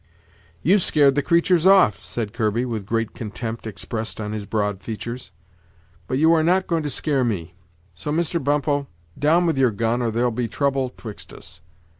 "You've scared the creatur's off," said Kirby, with great contempt expressed on his broad features; "but you are not going to scare me; so, Mr. Bumppo, down with your gun, or there'll be trouble 'twixt us."